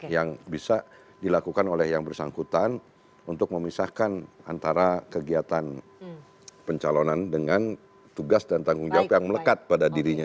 yang bisa dilakukan oleh yang bersangkutan untuk memisahkan antara kegiatan pencalonan dengan tugas dan tanggung jawab yang melekat pada dirinya